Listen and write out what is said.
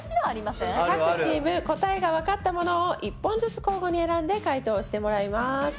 各チーム答えがわかったものを１本ずつ交互に選んで解答してもらいます。